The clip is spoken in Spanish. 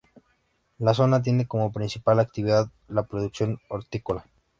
La zona tiene como principal actividad la producción hortícola.